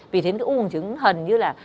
vì thế cái u bùng trứng hẳn như là